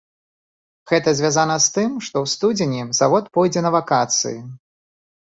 Гэта звязана з тым, што ў студзені завод пойдзе на вакацыі.